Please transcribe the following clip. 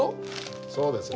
そうですね。